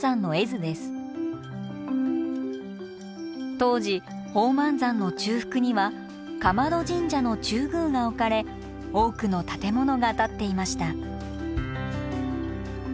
当時宝満山の中腹には竈門神社の中宮が置かれ多くの建物が建っていました。